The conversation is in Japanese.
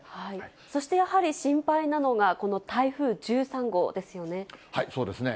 そしてやはり、心配なのが、そうですね。